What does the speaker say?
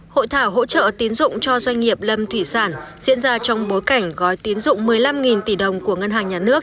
hội thảo hỗ trợ tiến dụng cho doanh nghiệp lâm thủy sản diễn ra trong bối cảnh gói tín dụng một mươi năm tỷ đồng của ngân hàng nhà nước